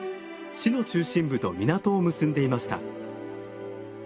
市の中心部と港を結んでいました。